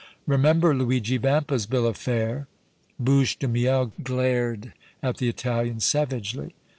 Remember Luigi Vampa's bill of fare!" Bouche de Miel glared at the Italian savagely.